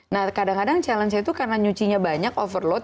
nah kadang kadang challenge nya itu karena nyucinya banyak overload